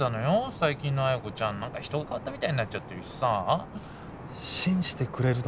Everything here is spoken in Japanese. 最近の彩子ちゃん何か人が変わったみたいになっちゃってるしさ信じてくれるの？